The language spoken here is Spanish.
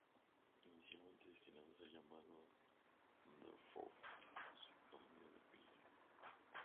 Inicialmente destinado a ser llamado "The Fourth", se cambió de opinión.